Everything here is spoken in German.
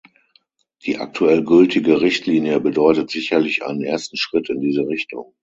Die aktuell gültige Richtlinie bedeutet sicherlich einen ersten Schritt in diese Richtung.